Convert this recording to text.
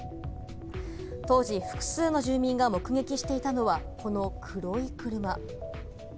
当時複数の住民が目撃していたのはこの黒い車。